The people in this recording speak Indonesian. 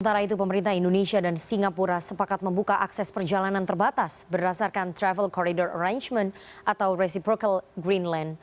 sementara itu pemerintah indonesia dan singapura sepakat membuka akses perjalanan terbatas berdasarkan travel corridor arrangement atau reciprocal green land